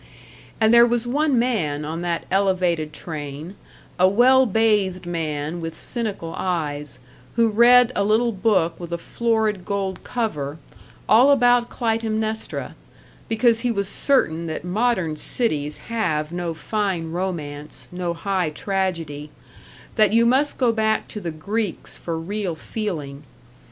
And there was one man on that Elevated train, a well bathed man with cynical eyes, who read a little book with a florid gold cover, all about Clytemnestra, because he was certain that modern cities have no fine romance, no high tragedy; that you must go back to the Greeks for real feeling.